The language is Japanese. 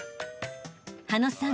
羽野さん